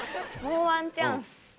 もうワンチャンス。